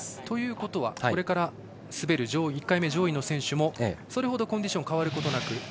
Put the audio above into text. ということはこれから滑る１回目上位の選手もそれほどコンディションが変わることなく。